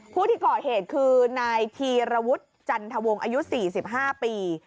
พูดก่อเหตุคือไหนทีระวุธจันทวงอายุ๔๕ปี